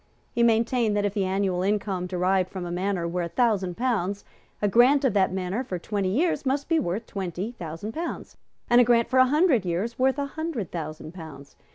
He maintained that if the annual income derived from a manor were a thousand pounds, a grant of that manor for twenty years must be worth twenty thousand pounds, and a grant for a hundred years worth a hundred thousand pounds.